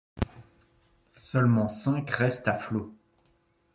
Seulement cinq restent à flot.